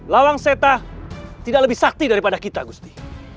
lawang seta tidak lebih sakti daripada kita gusti